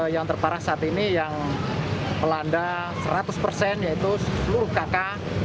yang terparah saat ini yang melanda seratus persen yaitu seluruh kakak